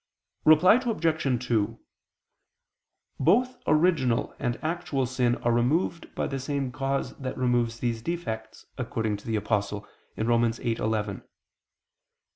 Reply Obj. 2: Both original and actual sin are removed by the same cause that removes these defects, according to the Apostle (Rom. 8:11): "He ...